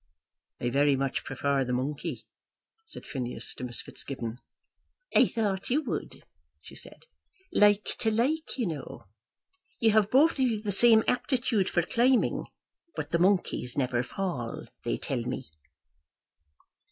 "I very much prefer the monkey," said Phineas to Miss Fitzgibbon. "I thought you would," said she. "Like to like, you know. You have both of you the same aptitude for climbing. But the monkeys never fall, they tell me."